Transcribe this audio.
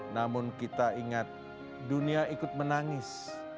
namun kita ingat dunia ikut menangis